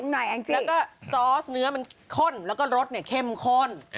แล้วก็ซอสเนื้อมันข้นแล้วก็รสเนี่ยเข้มข้น